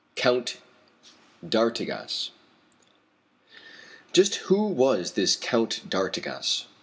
COUNT D'ARTIGAS. Just who was this Count d'Artigas?